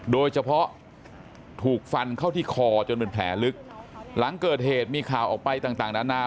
โดยเฉพาะถูกฟันเข้าที่คอจนเป็นแผลลึกหลังเกิดเหตุมีข่าวออกไปต่างต่างนานา